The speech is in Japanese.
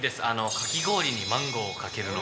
かき氷にマンゴーかけるの。